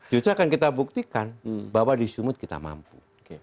justru akan kita buktikan bahwa di sumut kita mampu